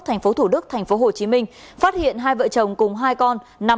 tp thủ đức tp hcm phát hiện hai vợ chồng cùng hai con